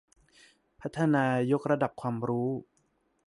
พัฒนายกระดับความรู้